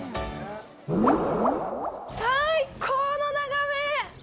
最高の眺め！